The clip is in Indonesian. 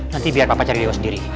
nanti biar papa cari leo sendiri